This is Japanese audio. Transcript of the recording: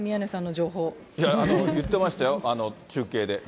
言ってましたよ、中継で。